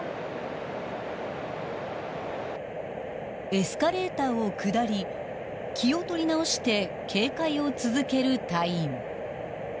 ［エスカレーターを下り気を取り直して警戒を続ける隊員］